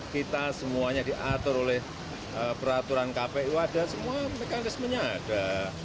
kita semuanya diatur oleh peraturan kpu ada semua mekanismenya ada